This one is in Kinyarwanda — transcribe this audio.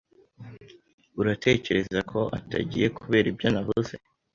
Uratekereza ko atagiye kubera ibyo navuze?